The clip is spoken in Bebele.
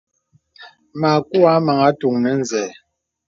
Makù a maŋā àtuŋ nə zɛ̂.